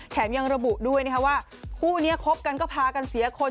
ยังระบุด้วยนะคะว่าคู่นี้คบกันก็พากันเสียคน